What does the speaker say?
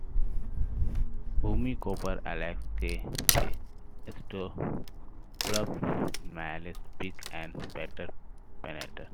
Bumy, Kopar, Alex Kay, K. Stelov, Malice Pik" and "Peter Peneter".